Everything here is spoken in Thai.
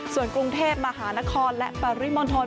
ส่วนกรุงเทพมหานครและปริมณฑล